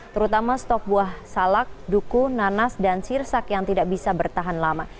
terutama stok buah salak duku nanas dan sirsak yang tidak bisa bertahan lama